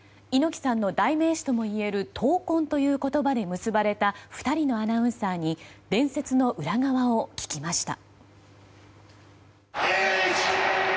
猪木さんの代名詞ともいえる闘魂という言葉で結ばれた２人のアナウンサーに伝説の裏側を聞きました。